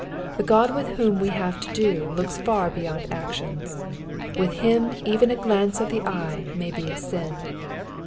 The God with whom we have to do looks tkt beyond actions. With him even a glance of the eye may be a sin.